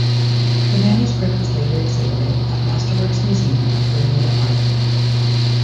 The manuscript was later exhibited at Masterworks Museum of Bermuda Art.